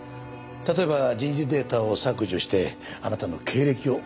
例えば人事データを削除してあなたの経歴を詐称したとか。